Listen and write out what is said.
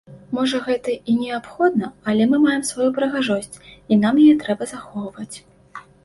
Можа гэта і неабходна, але мы маем сваю прыгажосць і нам яе трэба захоўваць.